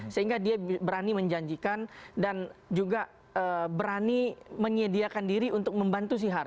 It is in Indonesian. sehingga dia berani menjanjikan dan juga berani menyediakan diri untuk membantu sihar